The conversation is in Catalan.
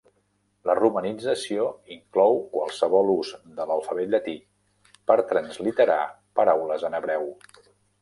La romanització inclou qualsevol ús de l'alfabet llatí per transliterar paraules en hebreu.